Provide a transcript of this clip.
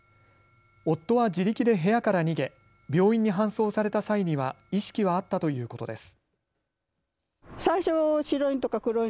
夫は自力で部屋から逃げ病院に搬送された際には意識はあったということです。